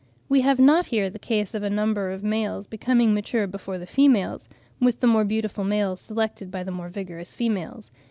We have not here the case of a number of males becoming mature before the females, with the more beautiful males selected by the more vigorous females.